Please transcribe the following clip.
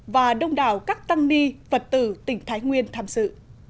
và đông đảo các tăng ni phật tử tỉnh thái nguyên tham sự